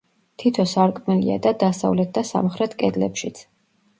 თითო სარკმელია და დასავლეთ და სამხრეთ კედლებშიც.